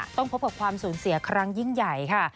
ต้องพบกับความสูญเสียครั้งยิ่งใหญ่ค่ะ